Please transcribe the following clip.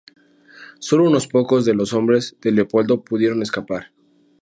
Sólo unos pocos de los hombres de Leopoldo pudieron escapar.